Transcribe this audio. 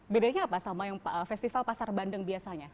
bedanya apa sama yang festival pasar bandeng biasanya